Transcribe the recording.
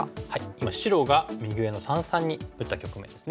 今白が右上の三々に打った局面ですね。